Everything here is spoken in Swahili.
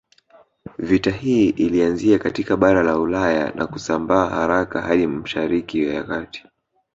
Vita hii ilianzia katika bara la Ulaya na kusambaa haraka hadi Mshariki ya kati